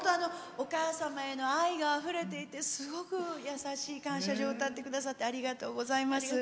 お母様への愛があふれてすごく優しい「感謝状」歌ってくださってありがとうございます。